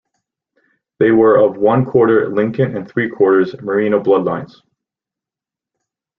They were of one-quarter Lincoln and three-quarters Merino bloodlines.